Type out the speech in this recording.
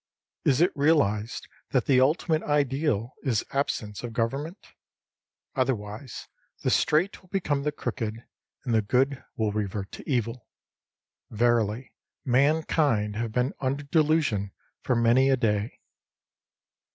Is it realised that the ulti mate ideal is absence of government ? Otherwise, the straight will become the crooked, and the good will revert to evil. Verily, mankind have been under delusion for many a day